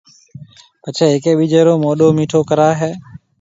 پڇيَ ھيَََڪيَ ٻيجيَ رو مونھ مِيٺو ڪرائيَ ھيََََ